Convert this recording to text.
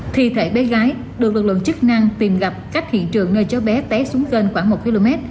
thi thể bé gái được lực lượng chức năng tìm gặp cách hiện trường nơi cháu bé té xuống kênh khoảng một km